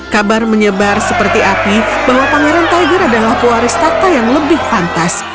kabar menyebar seperti api bahwa pangeran tiger adalah puaristaka yang lebih pantas